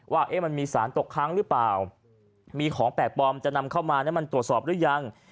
ว่ามันมีสารตกค้างหรือเปล่ามีของแปลกปลอมจะนำเข้ามามันตรวจสอบหรือยัง